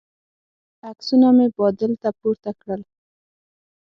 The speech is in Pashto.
عکسونه مې بادل ته پورته کړل.